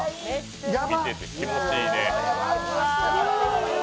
見てて、気持ちいいね。